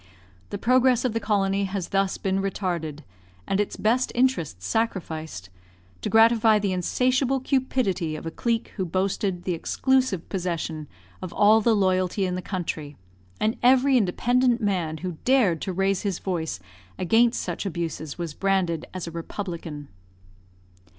The progress of the colony has thus been retarded, and its best interests sacrificed, to gratify the insatiable cupidity of a clique who boasted the exclusive possession of all the loyalty in the country; and every independent man who dared to raise his voice against such abuses was branded as a Republican.